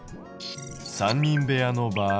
３人部屋の場合。